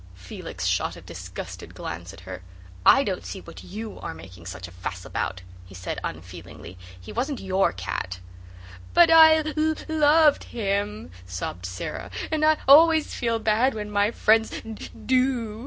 Felix shot a disgusted glance at her. "I don't see what YOU are making such a fuss about," he said unfeelingly. "He wasn't your cat." "But I l l oved him," sobbed Sara, "and I always feel bad when my friends d do."